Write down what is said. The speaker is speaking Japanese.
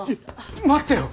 待ってよ。